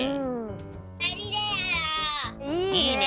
いいね！